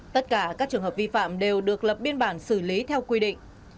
tất cả các trường hợp vi phạm đều được lập biên bản xử lý theo quy định